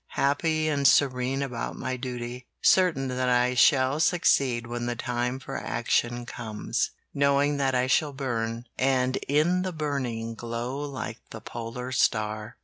Happy and serene about my duty, Certain that I shall succeed when the time for action comes; Knowing that I shall burn, And in the burning glow like the polar star.